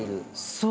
そう。